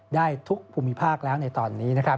ได้ทุกภูมิภาคแล้วในตอนนี้